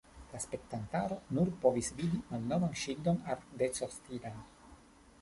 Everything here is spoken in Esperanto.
La spektantaro nur povis vidi malnovan ŝildon Art-Deco-stilan.